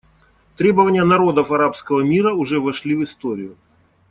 Требования народов арабского мира уже вошли в историю.